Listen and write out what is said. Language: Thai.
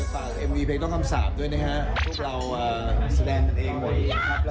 แบรนด์คลับของพี่แมนค่ะโอ๊ยทุกคนคือใจรักจริงนะคะ